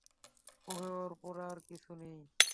ওহে, ওর পরে আর কিছু নেই?